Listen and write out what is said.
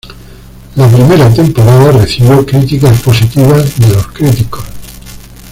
La primera temporada recibió críticas positivas de los críticos.